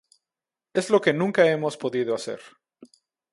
Es lo que nunca hemos podido hacer.